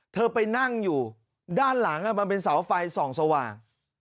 เธอไปนั่งอยู่ด้านหลังมันเป็นเสาไฟส่องสว่าง